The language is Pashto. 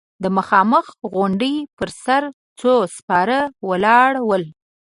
د مخامخ غونډۍ پر سر څو سپاره ولاړ ول.